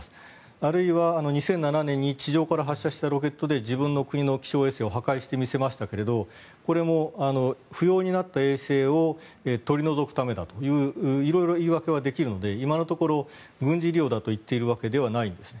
あるいは、２００７年に地上から発射したロケットで自分の国の気象衛星を破壊してみせましたがこれも不要になった衛星を取り除くためだという色々言い訳はできるので今のところは軍事利用だといっているわけではないんですね。